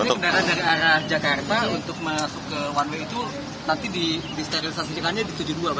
untuk masuk ke one way itu nanti disterilisasi jika hanya di tujuh puluh dua baru